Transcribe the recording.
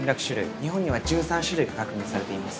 日本には１３種類が確認されています。